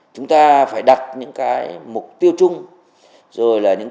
chúng ta phải đặt những mục tiêu chung